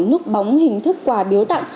nút bóng hình thức quà biếu tặng